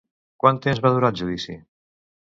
Quant temps va durar el judici?